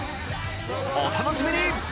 お楽しみに！